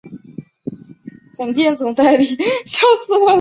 其中一些长而重复的鲸歌可能是交配的讯号。